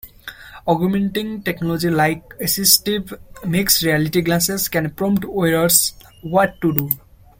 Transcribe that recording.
Augmenting technology like assistive mixed reality glasses can prompt wearers what to do.